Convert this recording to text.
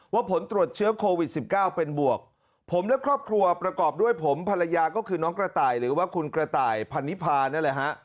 ผลตรวจเชื้อโควิด๑๙เป็นบวกผมและครอบครัวประกอบด้วยผมภรรยาก็คือน้องกระต่ายหรือว่าคุณกระต่ายพันนิพานั่นแหละฮะ